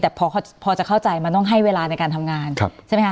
แต่พอจะเข้าใจมันต้องให้เวลาในการทำงานใช่ไหมคะ